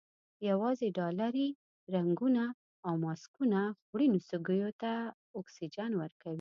یوازې ډالري رنګونه او ماسکونه خوړینو سږیو ته اکسیجن ورکوي.